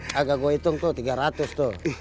kagak gua hitung tuh tiga ratus tuh